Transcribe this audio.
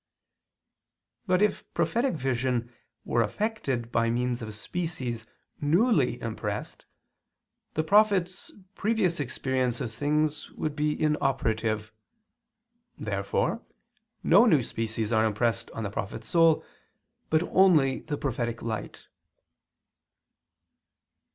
But if prophetic vision were effected by means of species newly impressed, the prophet's previous experience of things would be inoperative. Therefore no new species are impressed on the prophet's soul, but only the prophetic light.